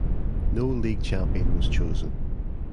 No league champion was chosen.